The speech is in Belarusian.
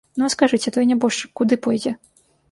Ну, а скажыце, той нябожчык куды пойдзе?